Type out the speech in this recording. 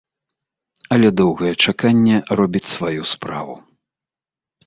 Але доўгае чаканне робіць сваю справу.